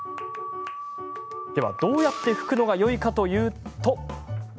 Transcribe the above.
どうやって拭くのがよいかというと。